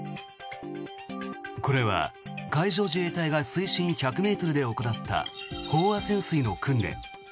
これは海上自衛隊が水深１００ｍで行った飽和潜水の訓練。